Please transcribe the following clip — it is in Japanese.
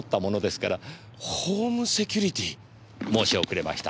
申し遅れました。